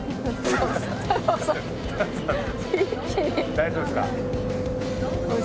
大丈夫っすか？